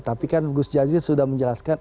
tapi kan gus jazil sudah menjelaskan